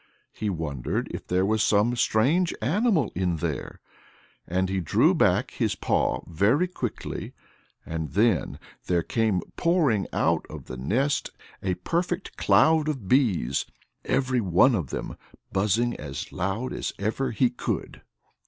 He wondered if there was some strange animal in there.... And he drew back his paw very quickly. And then there came pouring out of the nest a perfect cloud of bees, every one of them buzzing as loud as ever he could.